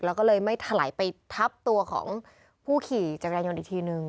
แล้วก็เลยไม่ถลายไปทับตัวของผู้ขี่จักรยานยนต์อีกทีนึง